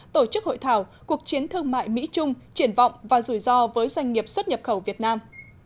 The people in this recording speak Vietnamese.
tổ chức hội thảo cuộc chiến thương mại mỹ trung triển vọng và rủi ro với doanh nghiệp xuất nhập khẩu việt nam